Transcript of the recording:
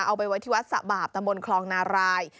เอาไปไว้ที่วัดสะบาปตำบลคลองนาราย